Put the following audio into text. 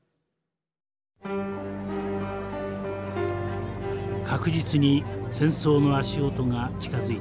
確実に戦争の足音が近づいていました。